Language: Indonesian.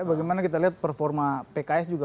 bagaimana kita lihat performa pks juga